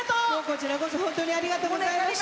こちらこそ本当にありがとうございました。